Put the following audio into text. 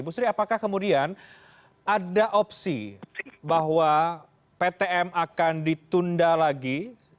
bu sri apakah kemudian ada opsi bahwa ptm akan ditunda lagi